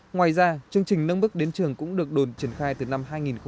ngoài ra chương trình nâng bức đến trường cũng được đồn triển khai từ năm hai nghìn một mươi